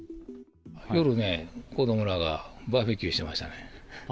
夜ね、子どもらがバーベキューしてましたね。